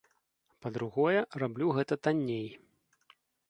Па-другое, раблю гэта танней.